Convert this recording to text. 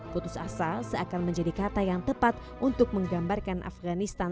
putus asa seakan menjadi kata yang tepat untuk menggambarkan afganistan